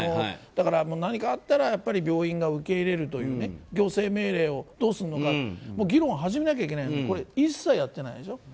だから何かあったら病院が受け入れるという行政命令をどうするか議論を始めなきゃいけないのに一切やってないでしょ。